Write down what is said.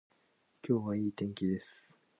今日は良い天気です